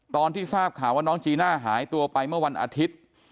ตอนที่ทราบข่าวว่าน้องจีน่าหายตัวไปเมื่อวันอาทิตย์